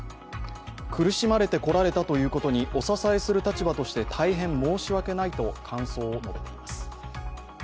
苦しまれてこられたということにお支えする立場として大変申し訳ないと感想を述べています。